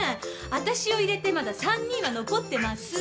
私を入れてまだ３人は残ってます！